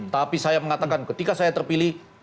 tapi saya mengatakan ketika saya terpilih